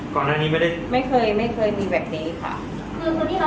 ก่อนเนี้ยไม่ได้ไม่เคยไม่เคยดีแบบนี้ค่ะ